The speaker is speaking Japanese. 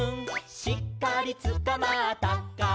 「しっかりつかまったかな」